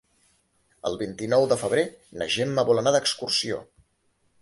El vint-i-nou de febrer na Gemma vol anar d'excursió.